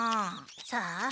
さあ？